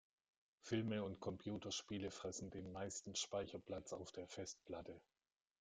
Filme und Computerspiele fressen den meisten Speicherplatz auf der Festplatte.